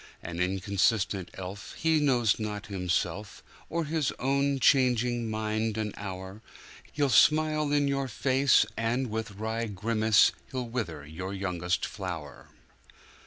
An inconstant elf, he knows not himself, Or his own changing mind an hour, He'll smile in your face, and, with wry grimace, He'll wither your youngest flower.